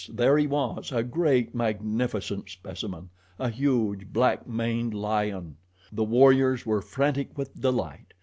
There he was, a great, magnificent specimen a huge, black maned lion. The warriors were frantic with delight.